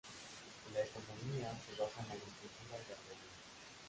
La economía se basa en la agricultura y ganadería.